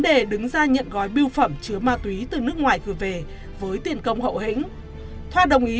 đề đứng ra nhận gói biêu phẩm chứa ma túy từ nước ngoài gửi về với tiền công hậu hĩnh thoa đồng ý